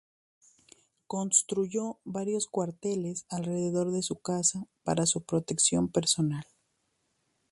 Construyó varios cuarteles alrededor de su casa para su protección personal.